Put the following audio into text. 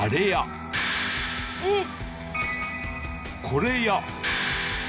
これや。